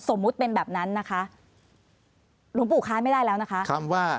สมมุติเป็นแบบนั้นนะคะหลวงปู่ค้านไม่ได้แล้วนะคะคำว่า